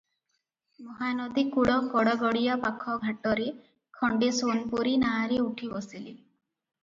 ମହାନଦୀ କୂଳ ଗଡ଼ଗଡ଼ିଆ ପାଖ ଘାଟରେ ଖଣ୍ଡେ ସୋନପୁରୀ ନାଆରେ ଉଠି ବସିଲି ।